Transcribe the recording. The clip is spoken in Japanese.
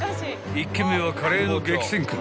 ［１軒目はカレーの激戦区